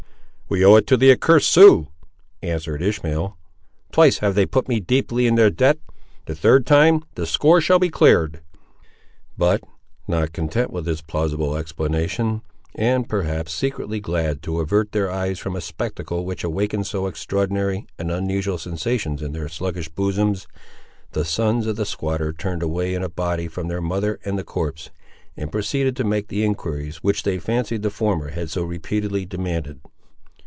"We owe it to the accursed Siouxes!" answered Ishmael: "twice have they put me deeply in their debt! The third time, the score shall be cleared!" But, not content with this plausible explanation, and, perhaps, secretly glad to avert their eyes from a spectacle which awakened so extraordinary and unusual sensations in their sluggish bosoms, the sons of the squatter turned away in a body from their mother and the corpse, and proceeded to make the enquiries which they fancied the former had so repeatedly demanded.